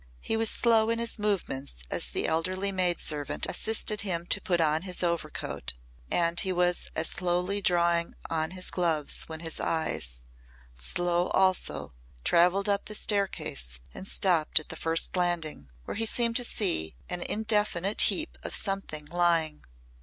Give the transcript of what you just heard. He was slow in his movements as the elderly maid servant assisted him to put on his overcoat, and he was as slowly drawing on his gloves when his eyes slow also travelled up the staircase and stopped at the first landing, where he seemed to see an indefinite heap of something lying.